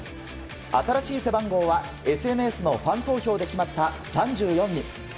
新しい背番号はＳＮＳのファン投票で決まった３４に。